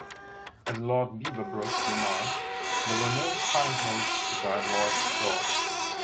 As Lord Beaverbrook remarked, There were no signposts to guide Lloyd George.